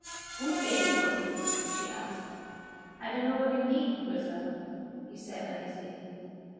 "Whose baby was it?" she asked. "I don't know what you mean, Grizel," he said uneasily.